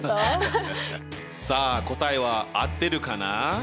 さあ答えは合ってるかな？